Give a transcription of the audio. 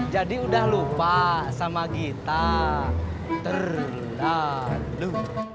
jadi udah lupa sama kita terlalu